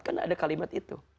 kan ada kalimat itu